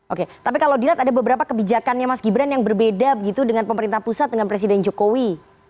oke tapi kalau dilihat ada beberapa kebijakannya mas gibran yang berbeda begitu dengan pemerintah pusat dengan presiden jokowi